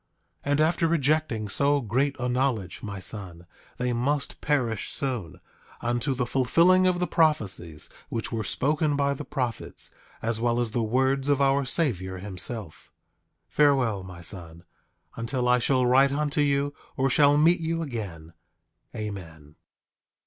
8:29 And after rejecting so great a knowledge, my son, they must perish soon, unto the fulfilling of the prophecies which were spoken by the prophets, as well as the words of our Savior himself. 8:30 Farewell, my son, until I shall write unto you, or shall meet you again. Amen.